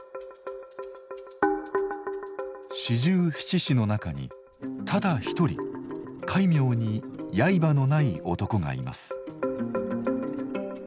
四十七士の中にただ一人戒名に「刃」のない男がいます。